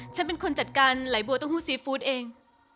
ฉันเป็นคนจัดการไหลบัวเต้าหู้ซีฟู้ดเอง